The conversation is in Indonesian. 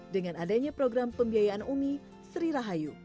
dengan adanya program pembiayaan umi sri rahayu